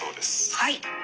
はい。